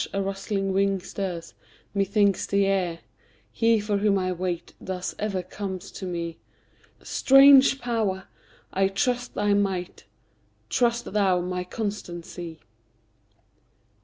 a rustling wing stirs, methinks, the air: He for whom I wait, thus ever comes to me; Strange Power! I trust thy might; trust thou my constancy.